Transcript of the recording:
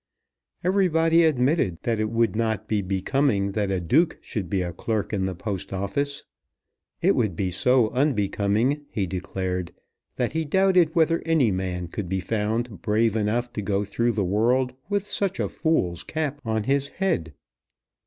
Everybody admitted that it would not be becoming that a Duke should be a clerk in the Post Office. It would be so unbecoming, he declared, that he doubted whether any man could be found brave enough to go through the world with such a fool's cap on his head.